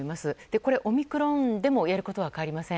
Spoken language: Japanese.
これはオミクロンでもやることは変わりません。